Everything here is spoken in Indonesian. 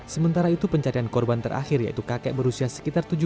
sementara itu pencarian korban terakhir yaitu kakek berusia sekitar